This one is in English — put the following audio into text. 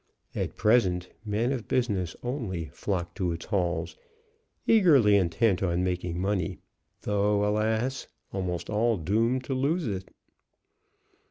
At present men of business only flocked to its halls, eagerly intent on making money, though, alas! almost all doomed to lose it.